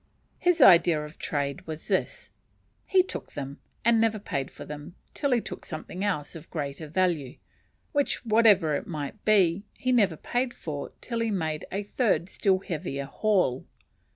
His idea of trade was this: He took them, and never paid for them till he took something else of greater value, which, whatever it might be, he never paid for till he made a third still heavier haul.